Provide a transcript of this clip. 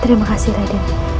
terima kasih raden